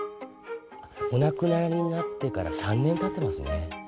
お亡くなりになってから３年たってますね。